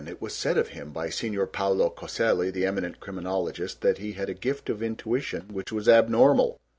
It was said of him by Signor Paulo Coselli, the eminent criminologist, that he had a gift of intuition which was abnormal.